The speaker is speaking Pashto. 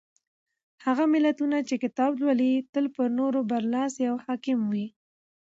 هغه ملتونه چې کتاب لولي تل پر نورو برلاسي او حاکم وي.